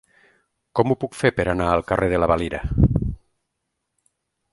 Com ho puc fer per anar al carrer de la Valira?